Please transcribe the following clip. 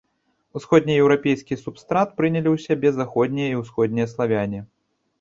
Усходнееўрапейскі субстрат прынялі ў сябе заходнія і ўсходнія славяне.